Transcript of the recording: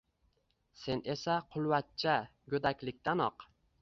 Sen esa, qulvachcha, go’daklikdanoq